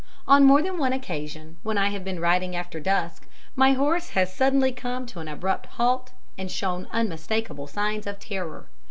On more than one occasion, when I have been riding after dusk, my horse has suddenly come to an abrupt halt and shown unmistakable signs of terror.